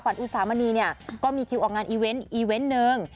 อุสามณีเนี่ยก็มีคิวออกงานอีเวนต์อีเวนต์นึง